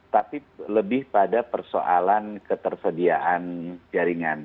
tapi lebih pada persoalan ketersediaan jaringan